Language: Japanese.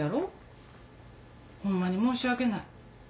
ホンマに申し訳ない。